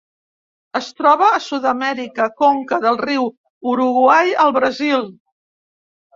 Es troba a Sud-amèrica: conca del riu Uruguai al Brasil.